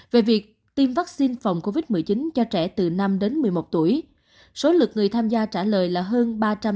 về việc tiêm vaccine phòng covid một mươi chín cho trẻ từ năm đến một mươi một tuổi số lực người tham gia trả lời là hơn ba trăm linh